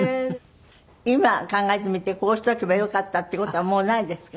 今考えてみてこうしておけばよかったっていう事はもうないですか？